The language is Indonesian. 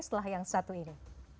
setelah yang satu ini